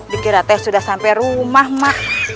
dikira teh sudah sampai rumah mak